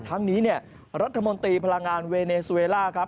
ทั้งนี้รัฐมนตรีพลังงานเวเนซเวลา